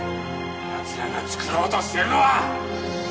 奴らが作ろうとしてるのは。